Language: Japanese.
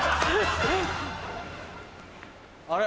あれ？